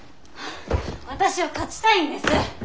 私は勝ちたいんです！